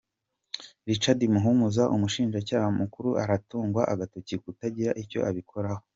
Richard Muhumuza, Umushinjacyaha Mukuru aratungwa agatoki kutagira icyo abikoraho